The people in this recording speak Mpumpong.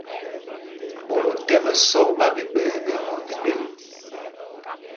Ɓot o tɛ́m ɛsɔk ɓa ɓiɓɛɛ ɛɓyakɔɔ nɛ bēl.